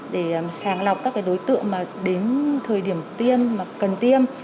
để sàng lọc các đối tượng mà đến thời điểm tiêm mà cần tiêm